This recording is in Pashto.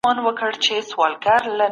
د غریبانو حق باید په وخت ادا سي.